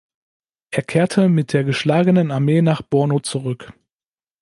Er kehrte mit der geschlagenen Armee nach Bornu zurück.